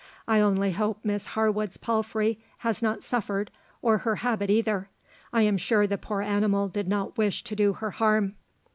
I only hope Miss Harwood's palfrey has not suffered, or her habit either; I am sure the poor animal did not wish to do her harm."